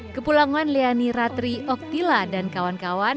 kepulangan leani ratri oktila dan kawan kawan